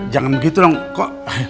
jangan begitu dong kok